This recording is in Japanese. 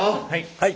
はい！